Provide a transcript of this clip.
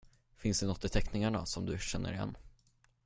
Finns det nåt i teckningarna som du känner igen?